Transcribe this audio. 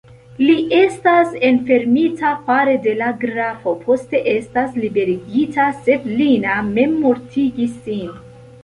Li estas enfermita fare de la grafo, poste estas liberigita, sed Lina memmortigis sin.